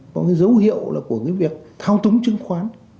có cái dấu hiệu là của cái việc thao túng chứng khoán